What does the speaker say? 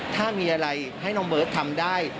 ถ้ามีอะไรให้น้องเบิร์ตทำได้